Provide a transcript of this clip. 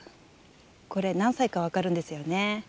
これ何歳か分かるんですよね。